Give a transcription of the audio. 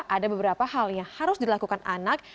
ada beberapa hal yang harus dilakukan anak